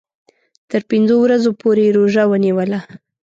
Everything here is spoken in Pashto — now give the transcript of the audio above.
تر پنځو ورځو پوري یې روژه ونیوله.